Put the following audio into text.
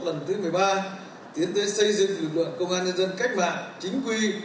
lần thứ một mươi ba tiến tới xây dựng lực lượng công an nhân dân cách mạng chính quy